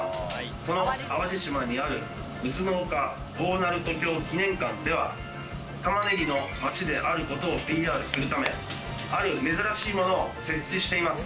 その淡路島にある「うずの丘大鳴門橋記念館」では玉ねぎの街であることをＰＲするため、ある珍しい物を設置しています。